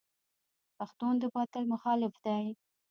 پښتون د باطل مخالف دی.